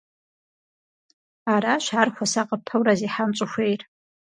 Аращ ар хуэсакъыпэурэ зехьэн щӏыхуейр.